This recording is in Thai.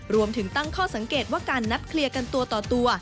รวมถึงตั้งข้อสังเกตว่าการนัดเคลียร์กันตัวต่อตัว